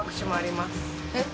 えっ